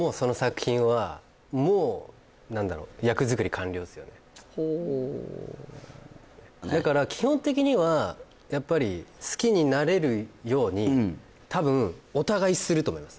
あんなんでさほうだから基本的にはやっぱり好きになれるように多分お互いすると思います